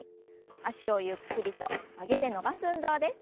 脚をゆっくりと曲げて伸ばす運動です。